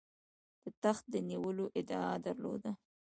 د تخت د نیولو ادعا درلوده.